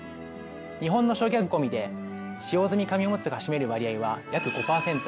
日本の焼却ごみで使用済み紙おむつが占める割合は約５％。